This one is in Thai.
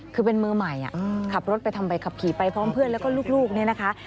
คือเป็นมือใหม่ขับรถไปทำใบขับขี่ไปพร้อมเพื่อนแล้วก็ลูกเนี่ยนะคะ